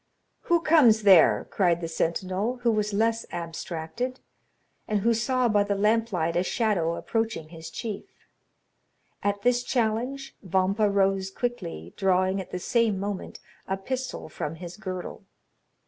"Who comes there?" cried the sentinel, who was less abstracted, and who saw by the lamp light a shadow approaching his chief. At this challenge, Vampa rose quickly, drawing at the same moment a pistol from his girdle.